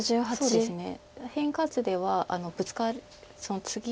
そうですよね。